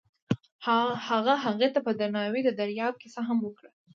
هغه هغې ته په درناوي د دریاب کیسه هم وکړه.